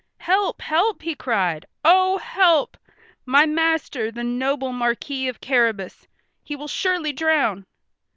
"Help! help!" he cried. "Oh, help! My master—the noble Marquis of Carrabas! He will surely drown."